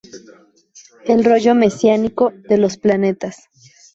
El rollo mesiánico de Los Planetas".